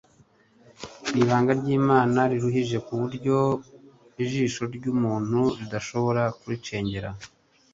Ni ibanga ry'Imana riruhije ku buryo ijisho ry'umuntu ridashobora kuricengera